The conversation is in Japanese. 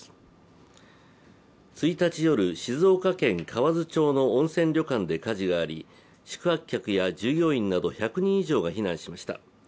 １日夜、静岡県河津町の温泉旅館で火事があり宿泊客や従業員など１００人以上が避難しました。